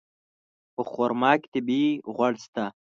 په خرما کې طبیعي غوړ شته.